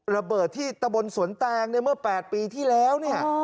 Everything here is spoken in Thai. ระเบิดที่ตะบนสวนแตงเมื่อ๘ปีที่แล้ว